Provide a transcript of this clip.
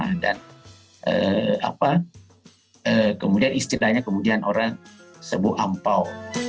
jadi kemudian istilahnya orang sebut ampau